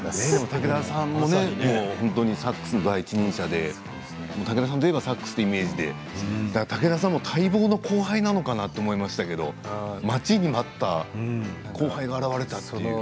武田さんもサックスの第一人者で武田さんといえばサックスというイメージで武田さんにとっても待望の後輩なのかなと待ちに待った後輩が現れたという。